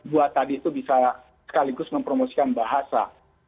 buat tadi itu bisa sekaligus mempromosikan bahasa